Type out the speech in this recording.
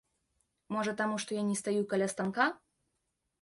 Можа, таму, што я не стаю каля станка?!